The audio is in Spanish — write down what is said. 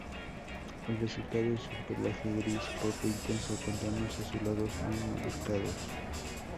El resultado es un pelaje gris poco intenso con tonos azulados muy marcados.